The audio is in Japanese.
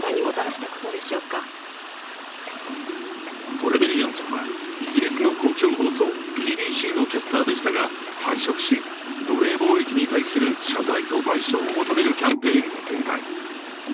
トレベリアンさんは、イギリスの公共放送ＢＢＣのキャスターでしたが、退職し、奴隷貿易に対する謝罪と賠償を求めるキャンペーンを展開。